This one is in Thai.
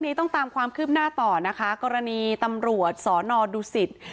นี้ต้องตามความคืบหน้าต่อนะคะกรณีตำรวจสอนอดุสิต